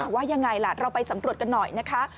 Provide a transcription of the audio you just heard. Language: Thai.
ว่ายังไงล่ะเราไปสำรวจกันหน่อยนะคะ